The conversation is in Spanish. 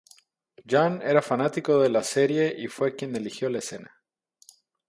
Jean era fanático de la serie y fue quien eligió la escena.